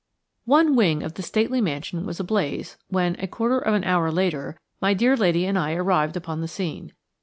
4 ONE wing of the stately mansion was ablaze when, a quarter of an hour later, my dear lady and I arrived upon the scene.